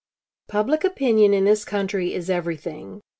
253 54 Public opinion in this country is everything.